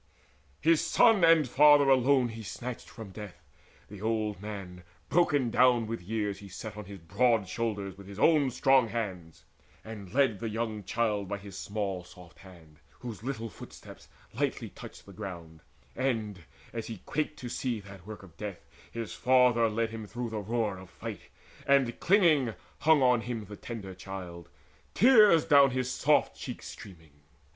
His son and father alone he snatched from death; The old man broken down with years he set On his broad shoulders with his own strong hands, And led the young child by his small soft hand, Whose little footsteps lightly touched the ground; And, as he quaked to see that work of deaths His father led him through the roar of fight, And clinging hung on him the tender child, Tears down his soft cheeks streaming.